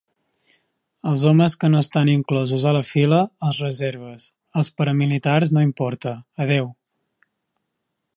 els homes que no estan inclosos a la fila, els reserves, els paramilitars No importa, Adeu